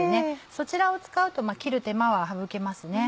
そちらを使うと切る手間は省けますね。